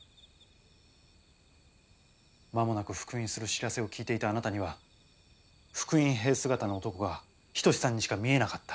間もなく復員する知らせを聞いていたあなたには復員兵姿の男が一さんにしか見えなかった。